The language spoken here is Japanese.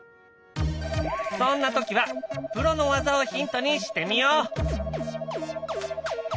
そんな時はプロの技をヒントにしてみよう！